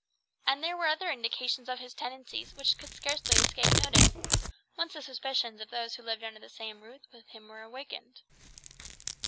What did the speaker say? And there were other indications of his tendencies which could scarcely escape notice, once the suspicions of those who lived under the same roof with him were awakened.